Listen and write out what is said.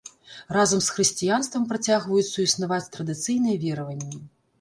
Разам з хрысціянствам працягваюць суіснаваць традыцыйныя вераванні.